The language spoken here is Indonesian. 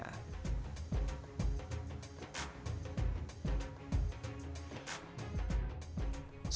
ketiga unit bangkai metro mini di pulrawabuaya sukudinas perhubungan jakarta barat